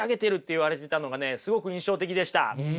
すごく印象的でした。